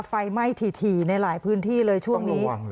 ไฟไหม้ถี่ในหลายพื้นที่เลยช่วงนี้